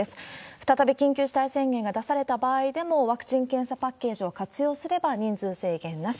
再び緊急事態宣言が出された場合でも、ワクチン・検査パッケージを活用すれば、人数制限なし。